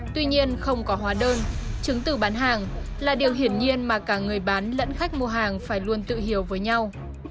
tuy nhiên không có hóa đơn chứng từ bán hàng là điều hiển nhiên mà cả người bán lẫn khách mua hàng phải luôn tự hiểu với nhau